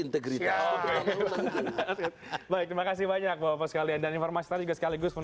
terima kasih banyak mas ilham pak egy